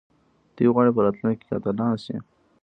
دوی غواړي په راتلونکي کې اتلان شي.